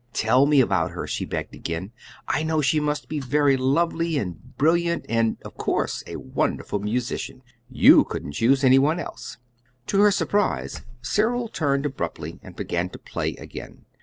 "Tell me about her," she begged again. "I know she must be very lovely and brilliant, and of course a wonderful musician. YOU couldn't choose any one else!" To her surprise Cyril turned abruptly and began to play again.